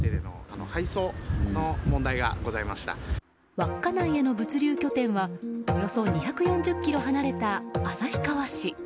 稚内への物流拠点はおよそ２４０ｋｍ離れた旭川市。